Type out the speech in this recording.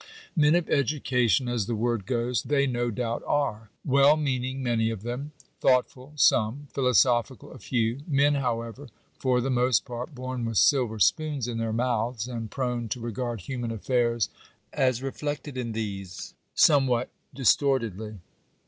Men of education (as the word goes) they no doubt are; well meaning, many of them; thoughtful, some ; philosophical, a few ; men, however, for the most part, born with silver spoons in their mouths, and prone to regard human affairs as reflected in these — somewhat dis tortedly.